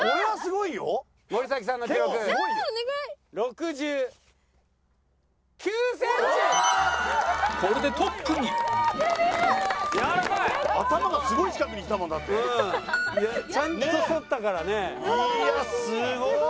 いやすごい！